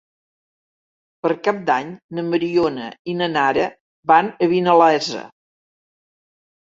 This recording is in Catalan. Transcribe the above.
Per Cap d'Any na Mariona i na Nara van a Vinalesa.